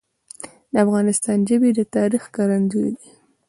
د افغانستان ژبي د تاریخ ښکارندوی دي.